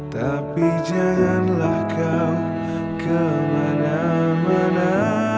tapi janganlah kau kemana mana